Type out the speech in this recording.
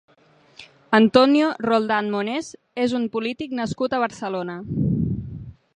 Antonio Roldán Monés és un polític nascut a Barcelona.